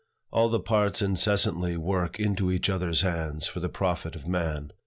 All the parts incessantly work into each other's hands for the profit of man.